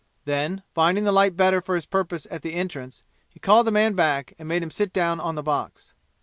Then, finding the light better for his purpose at the entrance, he called the man back and made him sit down on the box.